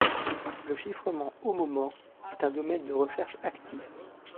Le chiffrement homomorphe est un domaine de recherche actif.